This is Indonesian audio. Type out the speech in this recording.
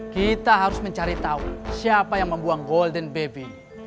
kita harus mencari tahu siapa yang membuang golden baby